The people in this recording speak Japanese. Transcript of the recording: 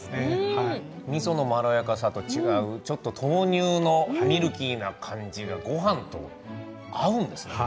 みそのまろやかさと違う豆乳のミルキーな感じがごはんとは合うんですね。